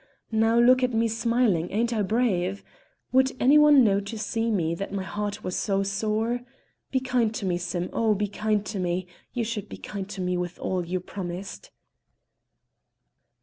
Now look at me smiling; ain't I brave? Would any one know to see me that my heart was sore? Be kind to me, Sim, oh! be kind to me; you should be kind to me, with all you promised!"